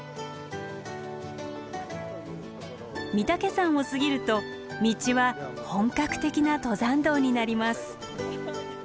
御岳山を過ぎると道は本格的な登山道になります。